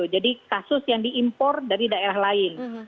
jadi kasus yang diimpor dari daerah lain